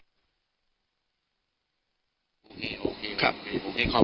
โอเคโอเคครับโอเคขอครับ